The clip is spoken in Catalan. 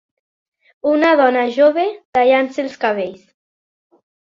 Una dona jove tallant-se els cabells.